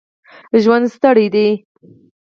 ژوند ستړی دی